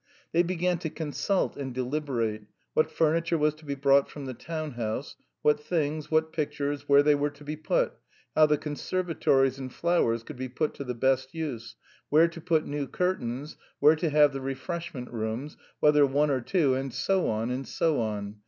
They began to consult and deliberate: what furniture was to be brought from the town house, what things, what pictures, where they were to be put, how the conservatories and flowers could be put to the best use, where to put new curtains, where to have the refreshment rooms, whether one or two, and so on and so on.